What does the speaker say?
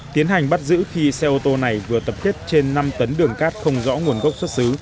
tiến hành bắt giữ khi xe ô tô này vừa tập kết trên năm tấn đường cát không rõ nguồn gốc xuất xứ